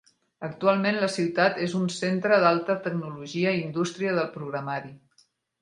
Actualment la ciutat és un centre d'alta tecnologia i indústria del programari.